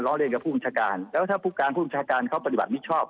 เรียนกับผู้บัญชาการแล้วถ้าผู้การผู้บัญชาการเขาปฏิบัติมิชอบ